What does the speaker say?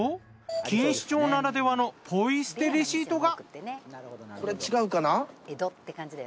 錦糸町ならではのポイ捨てレシートが。